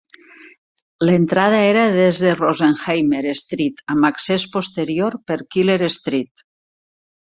L'entrada era des de Rosenheimer Street, amb accés posterior per Keller Street.